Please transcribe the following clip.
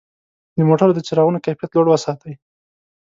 د موټرو د څراغونو کیفیت لوړ وساتئ.